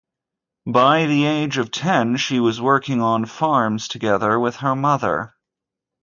By the age of ten she was working on farms together with her mother.